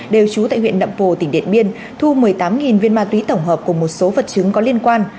đều trú tại huyện nậm pồ tỉnh điện biên thu một mươi tám viên ma túy tổng hợp cùng một số vật chứng có liên quan